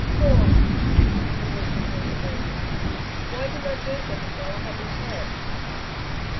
Paugh!" he moved impatiently, "Why didn't I do for him while I had the chance."